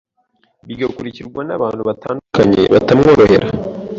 Bigakurikirwa n’abantu batandukanye batamworohera,